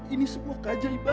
ini semua keajaiban